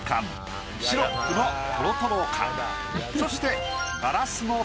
そして。